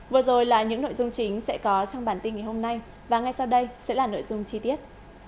vừa rồi là những nội dung chính sẽ có trong bản tin ngày hôm nay và ngay sau đây sẽ là nội dung chi tiết